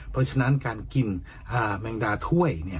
เพราะฉะนั้นการกินแมงดาถ้วย